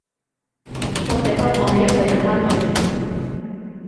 邊個捨得放你一個人返去